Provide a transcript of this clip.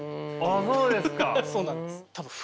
あっそうですか。